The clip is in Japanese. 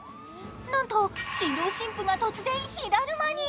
なんと新郎新婦が突然火だるまに。